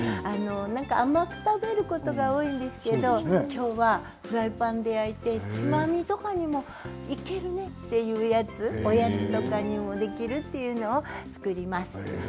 甘ったるいことが多いんですけれどきょうはフライパンで焼いてつまみとかにもいけるねというやつおやつとかにもできるというものを作ります。